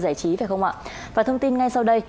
giải trí phải không ạ và thông tin ngay sau đây